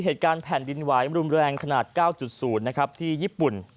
เหตุการณ์แผ่นดินไหวรุนแรงขนาด๙๐นะครับที่ญี่ปุ่น